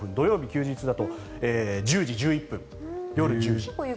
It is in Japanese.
休日だと１０時１１分夜１０時。